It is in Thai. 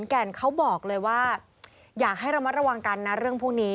แก่นเขาบอกเลยว่าอยากให้ระมัดระวังกันนะเรื่องพวกนี้